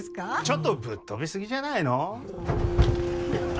ちょっとぶっ飛びすぎじゃないの？